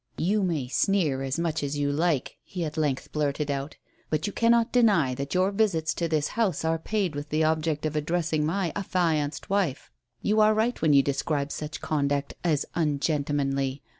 "You may sneer as much as you like," he at length blurted out, "but you cannot deny that your visits to this house are paid with the object of addressing my affianced wife. You are right when you describe such conduct as ungentlemanly.